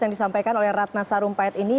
yang disampaikan oleh ratna sarumpait ini